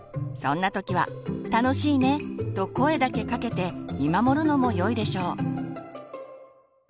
そんな時は「楽しいね」と声だけかけて見守るのもよいでしょう。